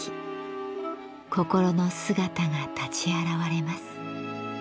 心の姿が立ち現れます。